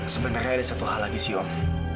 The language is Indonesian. sebenarnya ada satu hal lagi sih om